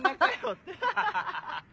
アハハハ。